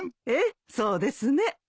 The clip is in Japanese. ええそうですね。